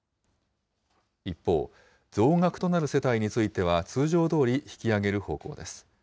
一方、増額となる世帯については、通常どおり引き上げる方向です。